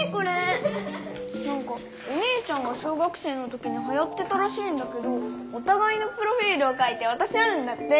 なんかお姉ちゃんが小学生の時にはやってたらしいんだけどおたがいのプロフィールを書いてわたし合うんだって。